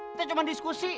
kita cuma diskusi